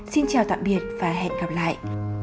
xin chào tạm biệt và hẹn gặp lại